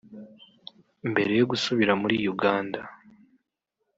Mbere yo gusubira muri Uganda